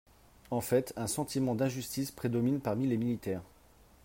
En fait, un sentiment d’injustice prédomine parmi les militaires.